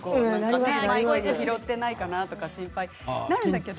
マイクが拾ってないかな？と心配になるんだけど。